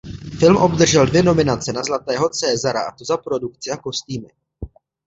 Film obdržel dvě nominace na Zlatého Césara a to za produkci a kostýmy.